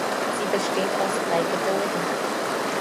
Sie besteht aus drei Gebäuden.